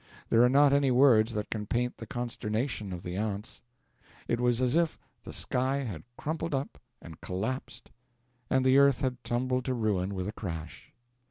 There are not any words that can paint the consternation of the aunts. It was as if the sky had crumpled up and collapsed and the earth had tumbled to ruin with a crash.